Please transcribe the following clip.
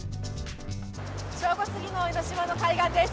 正午過ぎの江の島の海岸です。